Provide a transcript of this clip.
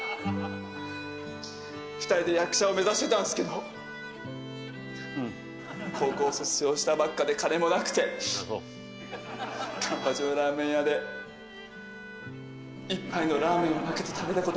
２人で役者を目指してたんですけど高校卒業したばっかで金もなくて環八のラーメン屋で１杯のラーメンを分けて食べたこともありました。